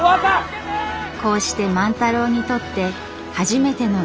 こうして万太郎にとって初めての東京旅行。